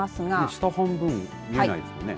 下半分見えないですね。